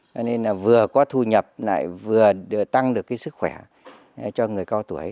cho nên là vừa có thu nhập lại vừa tăng được cái sức khỏe cho người cao tuổi